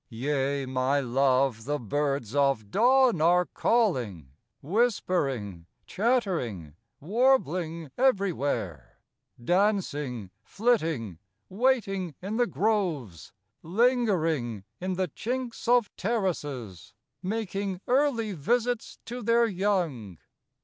Yea, my Love, the birds of dawn are calling, Whispering, chattering, warbling everywhere, Dancing, flitting, waiting in the groves, '45 Lingering in the chinks of terraces. Making early visits to their young.